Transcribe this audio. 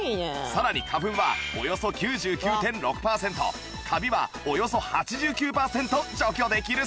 さらに花粉はおよそ ９９．６ パーセントカビはおよそ８９パーセント除去できるそう